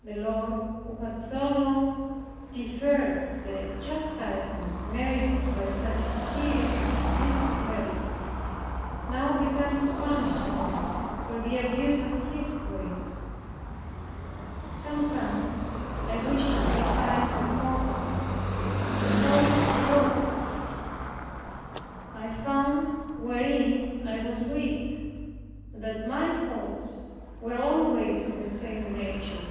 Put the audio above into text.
The Lord, who had so long deferred the chastisement merited by such a series of infidelities, now began to punish me for the abuse of his grace. Sometimes I wished to retire to a convent, and thought it lawful. I found wherein I was weak, and that my faults were always of the same nature.